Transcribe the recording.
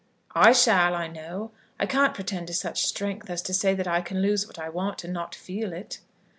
"I shall, I know. I can't pretend to such strength as to say that I can lose what I want, and not feel it."